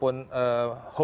ini ada beberapa hal